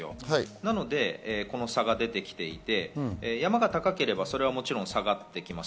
なので、この差が出てきていて山が高ければ、もちろん下がってきます。